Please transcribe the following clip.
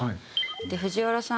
藤原さん